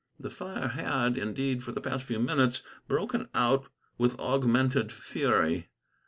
The fire had, indeed, for the past few minutes broken out with augmented fury.